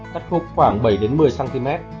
cắt khúc khoảng bảy một mươi cm